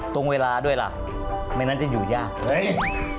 ตรงเวลาด้วยล่ะไม่งั้นจะอยู่ยากเฮ้ย